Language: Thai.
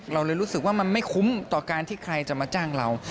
เราเลยรู้สึกว่ามันไม่คุ้มต่อการที่ใครจะมาจ้างเรา